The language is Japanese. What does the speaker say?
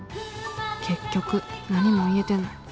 結局何も言えてない。